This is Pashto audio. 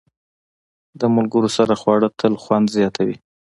د ملګرو سره خواړه تل خوند زیاتوي.